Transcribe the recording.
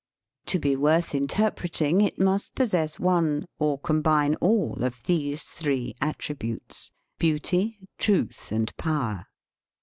To be worth interpreting, it must possess one or combine all of these three attributes beauty, truth, and power.